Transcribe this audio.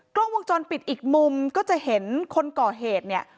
กล้องวงจรปิดอีกมุมก็จะเห็นคนก่อเหตุเนี่ย